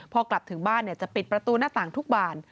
พอกลับถึงบ้านจะปิดประตูหน้าต่างทุกบาน